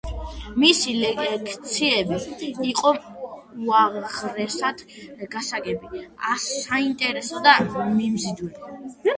მისი ლექციები იყო უაღრესად გასაგები, საინტერესო და მიმზიდველი.